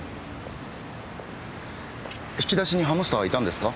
引き出しにハムスターはいたんですか？